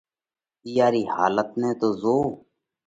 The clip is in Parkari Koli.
اِيئا رِي حالت نئہ تو زوئو۔